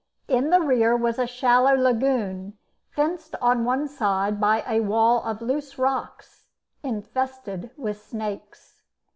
In the rear was a shallow lagoon, fenced on one side by a wall of loose rocks, infested with snakes.